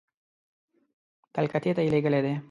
کلکتې ته یې لېږلي دي.